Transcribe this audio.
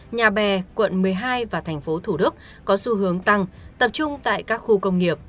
nhà bè quận một mươi hai và thành phố thủ đức có xu hướng tăng tập trung tại các khu công nghiệp